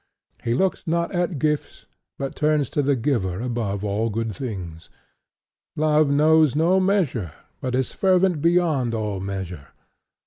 He looks not at gifts, but turns to the giver above all good things. Love knows no measure, but is fervent beyond all measure.